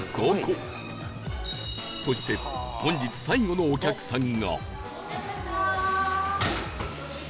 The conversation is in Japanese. そして最後のお客さん。